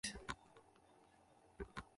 La suite ofimática LibreOffice.